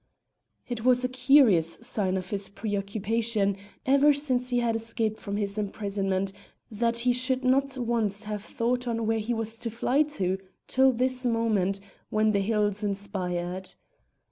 It was a curious sign of his preoccupation, ever since he had escaped from his imprisonment, that he should not once have thought on where he was to fly to till this moment when the hills inspired.